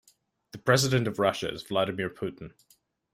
The president of Russia is Vladimir Putin.